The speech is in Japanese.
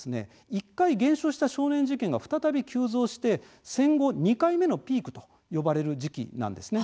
１回、減少した少年事件が再び急増して、戦後２回目のピークと呼ばれる時期なんですね。